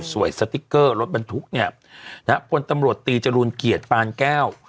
สติ๊กเกอร์รถบรรทุกเนี่ยนะฮะพลตำรวจตีจรูลเกียรติปานแก้ว